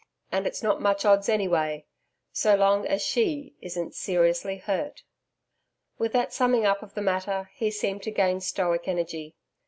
And it's not much odds any way, so long as SHE isn't seriously hurt.' With that summing up of the matter, he seemed to gain stoic energy.